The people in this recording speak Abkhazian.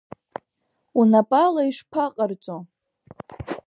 Унапала ишԥаҟарҵо?!